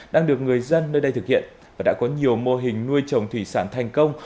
đang được người dân nơi đây thực hiện và đã có nhiều mô hình nuôi trồng thủy sản thành công